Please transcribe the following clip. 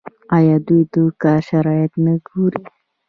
آیا دوی د کار شرایط نه ګوري؟